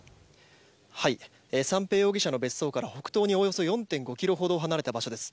三瓶容疑者の別荘から北東におよそ４．５ｋｍほど離れた場所です。